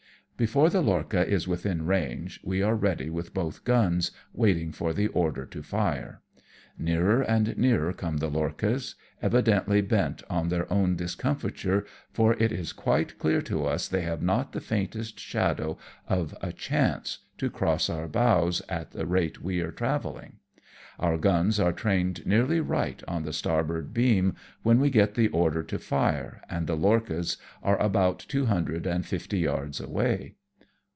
'' Before the lorcha is within range we are ready with both guns, waiting for the order to fire. Nearer and nearer come the lorchas, evidently bent on their own 74 AMONG TYPHOONS AND PIRATE CRAFT. discomfiturej for it is quite clear to us they have not the faintest shadow of a chance to cross our bows at the rate we are trayelling. Our guns are trained nearly right on the starboard beam, when we get the order to fire, and the lorchas are about two hundred and fifty yards away.